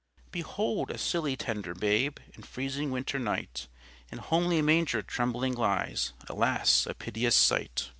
Behold a silly tender Babe, In freezing winter night, In homely manger trembling lies; Alas! a piteous sight.